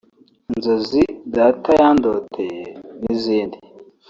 Inzozi data Yandoteye n’izindi